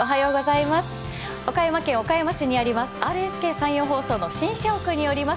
岡山県岡山市にあります